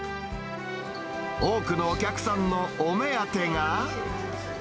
多くのお客さんのお目当てが。